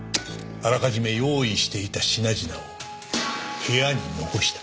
あらかじめ用意していた品々を部屋に残した。